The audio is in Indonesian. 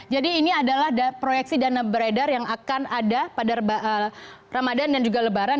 jadi ini adalah proyeksi dana beredar yang akan ada pada ramadan dan juga lebaran